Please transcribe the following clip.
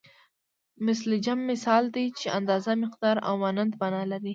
مثل جمع مثال دی چې اندازه مقدار او مانند مانا لري